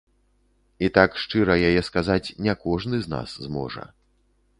І так шчыра яе сказаць не кожны з нас зможа.